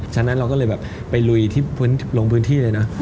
ฉะนั้นเราก็เลยแบบไปลุยที่ลงพื้นที่เลยนะ